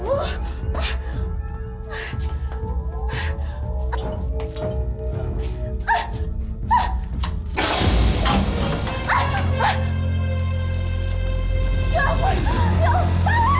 ya ampun ya ampun